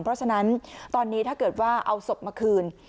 เพราะฉะนั้นตอนนี้ถ้าเกิดว่าเอาศพมาคืน